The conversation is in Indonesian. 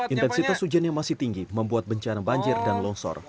intensitas hujannya masih tinggi membuat bencana banjir dan longsor